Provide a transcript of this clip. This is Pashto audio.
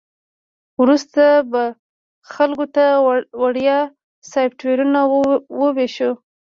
وروسته به خلکو ته وړیا سافټویرونه وویشو